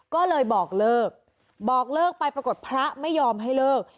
ก็เลยบอกเลิกบอกเลิกไปปรากฏพระไม่ยอมให้เลิก